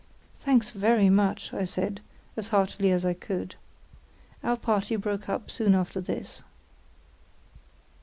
"Thanks, very much," said I, as heartily as I could. Our party broke up soon after this.